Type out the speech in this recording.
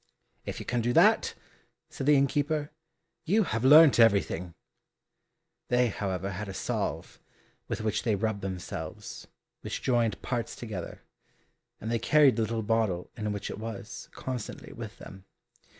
"If you can do that," said the innkeeper, "you have learnt everything." They, however, had a salve, with which they rubbed themselves, which joined parts together, and they carried the little bottle in which it was, constantly with them.